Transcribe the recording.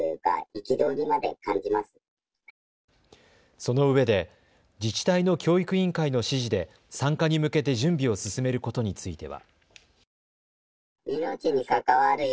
そのうえで自治体の教育委員会の指示で参加に向けて準備を進めることについては。